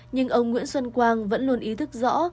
nhưng ông nguyễn xuân quang vẫn luôn ý thức rõ